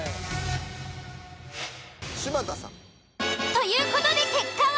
という事で結果は。